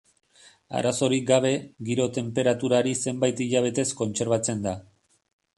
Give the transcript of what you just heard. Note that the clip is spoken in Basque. Arazorik gabe, giro-tenperaturari, zenbait hilabetez kontserbatzen dira.